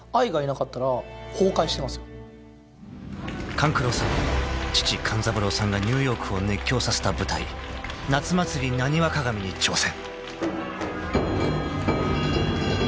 ［勘九郎さん父勘三郎さんがニューヨークを熱狂させた舞台『夏祭浪花鑑』に挑戦］